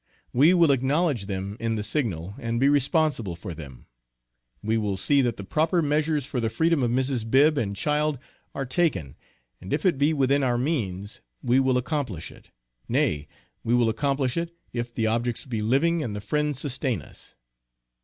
We will acknowledge them in the Signal, and be responsible for them. We will see that the proper measures for the freedom of Mrs. Bibb and child are taken, and if it be within our means we will accomplish it nay we will accomplish it, if the objects be living and the friends sustain us.